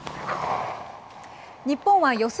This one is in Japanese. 日本は予選